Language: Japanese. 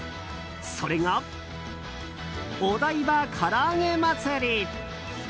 それが、お台場からあげ祭！